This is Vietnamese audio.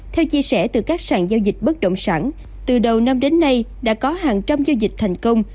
theo chia sẻ từ các sàn giao dịch bất động sản từ đầu năm đến nay đã có hàng trăm giao dịch thành công